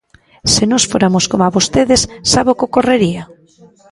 Se nós foramos coma vostedes, ¿sabe o que ocorrería?